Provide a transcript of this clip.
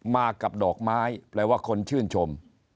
มากับดอกไม้แปลว่าคนชื่นชม